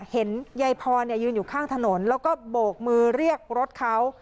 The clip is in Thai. เห็นยายพรยืนอยู่ข้างถนนแล้วก็โบกมือเรียกรถเขา